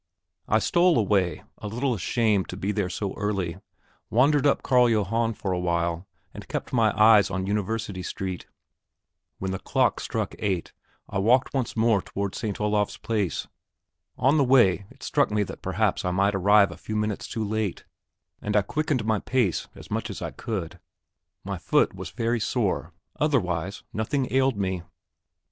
I stole away, a little ashamed to be there so early, wandered up Carl Johann for a while, and kept my eyes on University Street. When the clocks struck eight I walked once more towards St. Olav's Place. On the way it struck me that perhaps I might arrive a few minutes too late, and I quickened my pace as much as I could. My foot was very sore, otherwise nothing ailed me.